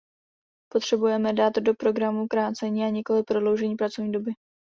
Potřebujeme dát do programu zkrácení, a nikoliv prodloužení pracovní doby.